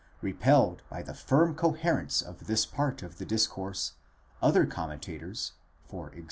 —Repelled by the firm coherence of this part of the discourse, other commentators, e.g.